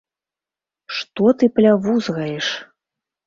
- Што ты плявузгаеш?